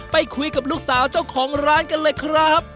ไปคุยกับลูกสาวเจ้าของร้านกันเลยครับ